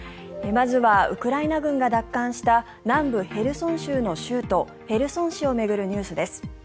まずはウクライナ軍が奪還した南部ヘルソン州の州都ヘルソン市を巡るニュースです。